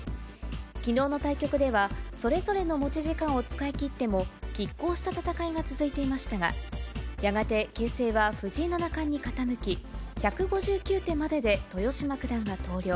きのうの対局では、それぞれの持ち時間を使い切っても、きっ抗した戦いが続いていましたが、やがて形勢は藤井七冠に傾き、１５９手までで豊島九段が投了。